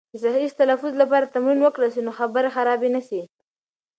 د صحیح تلفظ لپاره تمرین وکړل سي، نو خبرې خرابې نه سي.